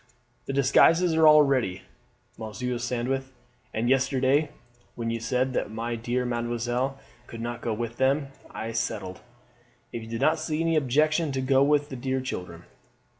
"The disguises are all ready, Monsieur Sandwith; and yesterday when you said that my dear mademoiselle could not go with them, I settled, if you do not see any objection, to go with the dear children."